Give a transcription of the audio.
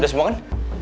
udah semua kan